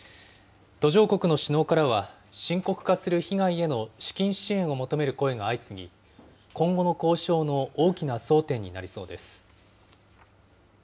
途上国の首脳からは、深刻化する被害への資金支援を求める声が相次ぎ、今後の交渉の大きな争点になりそうです。